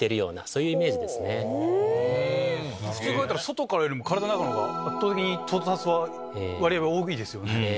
普通に考えたら外からよりも体の中の方が圧倒的に到達は割合は多いですよね。